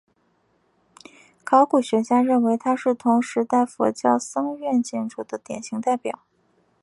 考古学家认为它是同时代佛教僧院建筑的典型代表。